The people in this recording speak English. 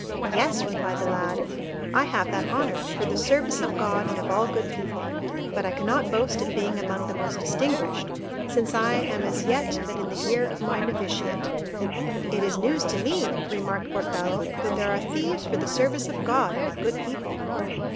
"Yes," replied the lad, "I have that honour, for the service of God and of all good people; but I cannot boast of being among the most distinguished, since I am as yet but in the year of my novitiate." "It is news to me," remarked Cortado, "that there are thieves for the service of God and of good people."